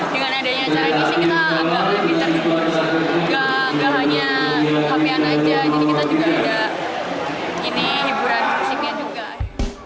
dengan adanya acara ini sih kita agak lebih terhibur